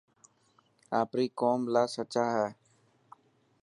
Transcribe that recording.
آپري قوم لاءِ سچائي هئي.